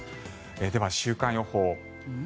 では、週間予報。